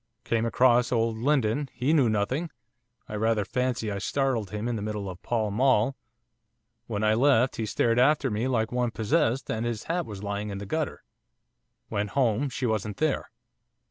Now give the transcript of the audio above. Came across old Lindon, he knew nothing; I rather fancy I startled him in the middle of Pall Mall, when I left he stared after me like one possessed, and his hat was lying in the gutter. Went home, she wasn't there.